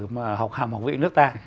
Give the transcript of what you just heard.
mà học hàm học vị nước ta